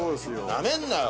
なめんなよ